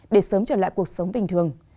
để sớm trở lại cuộc sống bình thường